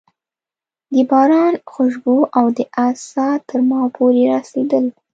د باران خوشبو او د آس ساه تر ما پورې رارسېدل.